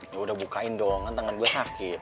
ya udah bukain dong kan tangan gue sakit